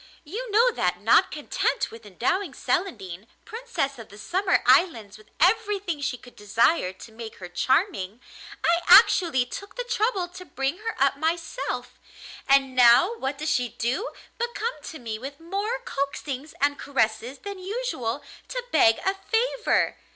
You know that, not content with endowing Celandine, Princess of the Summer Islands, with everything she could desire to make her charming, I actually took the trouble to bring her up myself; and now what does she do but come to me with more coaxings and caresses than usual to beg a favour.